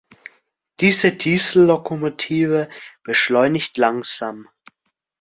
Die Diesellokomotive beschleunigt langsam.